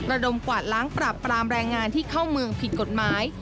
ระดมกวาดล้างปราบปรามแรงงานที่เข้าเมืองผิดกฎหมาย